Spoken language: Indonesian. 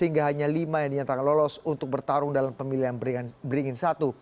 dan juga dikasi berkas pendaftaran sehingga hanya lima yang dinyatakan lolos untuk bertarung dalam pemilihan beringin satu